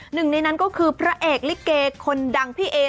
หนึ่งในนั้นก็คือพระเอกลิเกคนดังพี่เอ